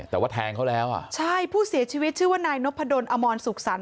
แต่ว่าแทงเขาแล้วอ่ะใช่ผู้เสียชีวิตชื่อว่านายนพดลอมรสุขสรรค